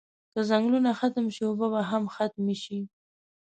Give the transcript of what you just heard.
که ځنګلونه ختم شی اوبه به هم ختمی شی